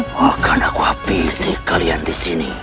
makan aku api isi kalian di sini